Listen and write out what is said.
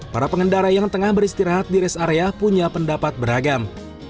para pengendara yang tengah beristirahat di rest area punya pendapat beragam